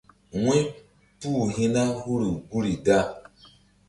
Wu̧ypu hi̧ na huru guri da.